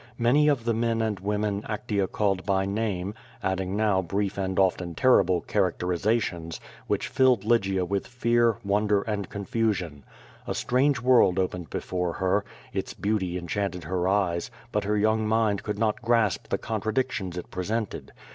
Many of the men and women Actea called by name, adding now brief and often terrible characterizations, which filled Lygia with fear, wonder and confusion. A strange world opened before her; its beauty enchanted her eyes, but her young mind could not grasp the contradictions it presented.